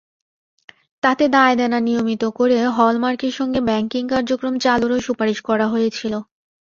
তাতে দায়দেনা নিয়মিত করে হল-মার্কের সঙ্গে ব্যাংকিং কার্যক্রম চালুরও সুপারিশ করা হয়েছিল।